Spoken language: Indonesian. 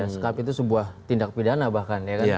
sekap itu sebuah tindak pidana bahkan